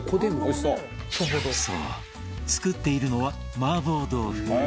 そう作っているのは麻婆豆腐